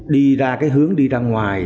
đi ra hướng đi ra ngoài